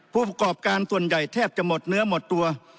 ผู้ประกอบการส่วนใหญ่แทบจะหมดเนื้อหมดตัว